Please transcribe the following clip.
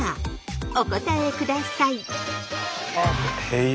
お答えください。